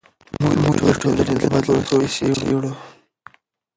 موږ د ټولنې د بدلون پروسې څیړو.